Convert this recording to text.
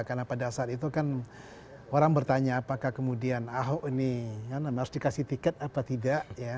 karena pada saat itu kan orang bertanya apakah kemudian ahok ini harus dikasih tiket apa tidak